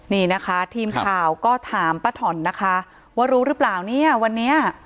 นี่นะคะทีมข่าวก็ถามป้าถอนนะคะว่ารู้หรือเปล่าเนี่ยวันนี้